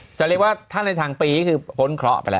จะเรียกว่าถ้าในทางปีก็คือพ้นเคราะห์ไปแล้ว